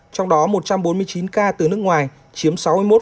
trong đó một trăm bốn mươi chín ca từ nước ngoài chiếm sáu mươi một